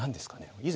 以前。